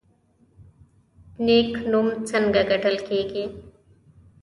نیک نوم څنګه ګټل کیږي؟